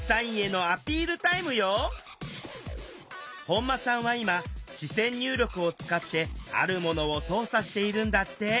本間さんは今視線入力を使ってあるものを操作しているんだって。